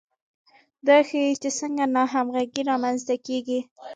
دا ښيي چې څنګه ناهمغږي رامنځته کیږي.